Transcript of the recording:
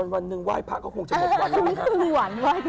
หรอวันหนึ่งวายพระก็คงจะหมดวันเลยค่ะ